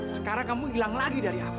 sekarang kamu hilang lagi dari apa